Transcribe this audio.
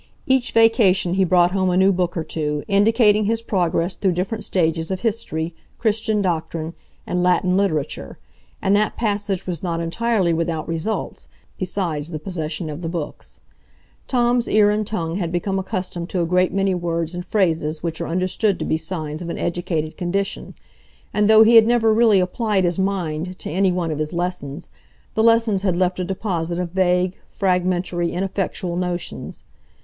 Each vacation he brought home a new book or two, indicating his progress through different stages of history, Christian doctrine, and Latin literature; and that passage was not entirely without results, besides the possession of the books. Tom's ear and tongue had become accustomed to a great many words and phrases which are understood to be signs of an educated condition; and though he had never really applied his mind to any one of his lessons, the lessons had left a deposit of vague, fragmentary, ineffectual notions.